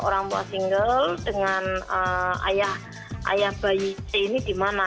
orang tua single dengan ayah bayi c ini di mana